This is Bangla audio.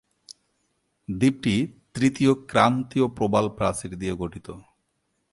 দ্বীপটি তৃতীয় ক্রান্তীয় প্রবাল প্রাচীর দিয়ে গঠিত।